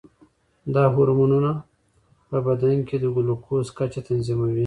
دا هورمونونه په بدن کې د ګلوکوز کچه تنظیموي.